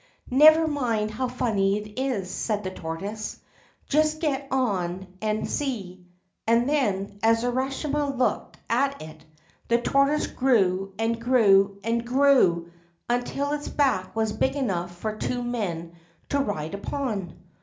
' Never mind how funny it is,' said the tortoise ; 'just get on and see.' And then, as Urashima looked at it, the tortoise grew and grew and grew until its back was big enough for two men to ride upon.